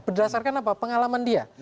berdasarkan apa pengalaman dia